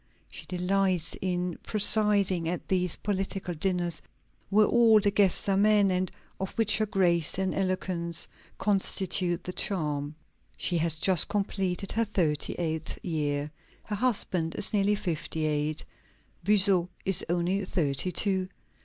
She delights in presiding at these political dinners where all the guests are men, and of which her grace and eloquence constitute the charm. She has just completed her thirty eighth year. Her husband is nearly fifty eight; Buzot is only thirty two.